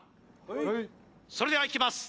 はいそれではいきます